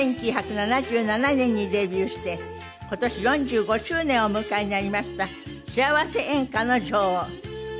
１９７７年にデビューして今年４５周年をお迎えになりましたしあわせ演歌の女王川中美幸さんです。